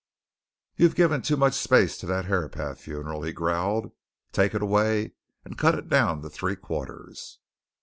"You've given too much space to that Herapath funeral," he growled. "Take it away and cut it down to three quarters."